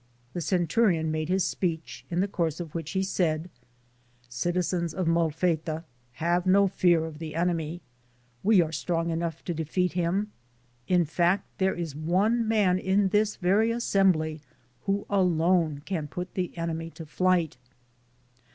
The centurion made his speech, in the course of which he said : "Citizens of Molfetta, have no fear of the enemy ; we are strong enough to defeat him; in fact there is one man in this very assembly who alone can put the enemy to flight."